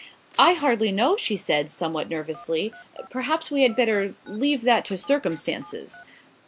"I hardly know," she said, somewhat nervously. "Perhaps we had better leave that to circumstances."